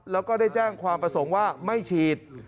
แล้วก็ได้แจ้งความประสงค์ว่าไม่ฉีด